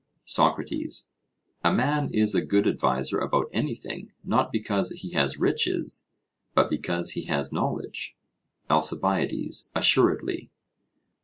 SOCRATES: A man is a good adviser about anything, not because he has riches, but because he has knowledge? ALCIBIADES: Assuredly.